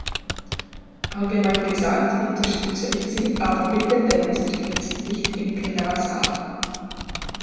Allgemein gesagt unterstütze ich sie, aber bitte demonstrieren Sie nicht im Plenarsaal.